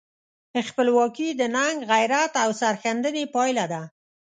خپلواکي د ننګ، غیرت او سرښندنې پایله ده.